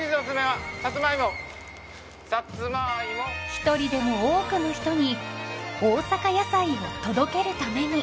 一人でも多くの人に大阪野菜を届けるために。